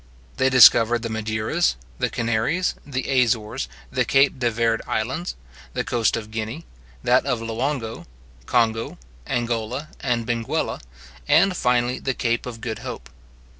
They discovered the Madeiras, the Canaries, the Azores, the Cape de Verd islands, the coast of Guinea, that of Loango, Congo, Angola, and Benguela, and, finally, the Cape of Good Hope.